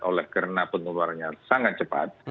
oleh karena penularannya sangat cepat